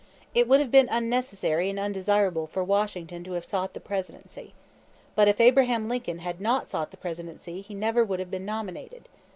It would have been unnecessary and undesirable for Washington to have sought the Presidency. But if Abraham Lincoln had not sought the Presidency he never would have been nominated.